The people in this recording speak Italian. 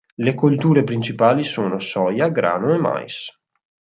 Le colture principali sono soia, grano e mais.